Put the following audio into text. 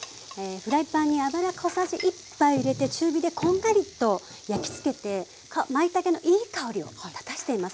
フライパンに油小さじ１杯入れて中火でこんがりと焼きつけてまいたけのいい香りを立たしています。